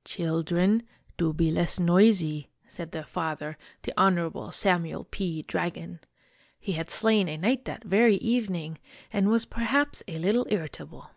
" Children, do be less noisy !" said their father, the Honorable Samuel P. Dragon. He had slain a knight that very evening and was perhaps a little irritable.